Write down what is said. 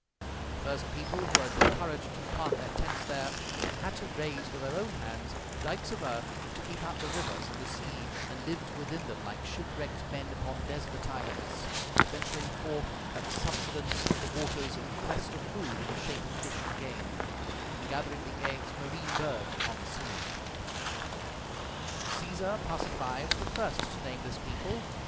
The first people who had the courage to plant their tents there, had to raise with their own hands dikes of earth to keep out the rivers and the sea, and lived within them like shipwrecked men upon desolate islands, venturing forth at the subsidence of the waters in quest of food in the shape of fish and game, and gathering the eggs of marine birds upon the sand. Caesar, passing by, was the first to name this people.